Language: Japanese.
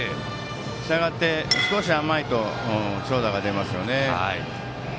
したがって、少し甘いと長打が出ますよね。